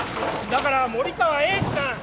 だから森川栄治さん。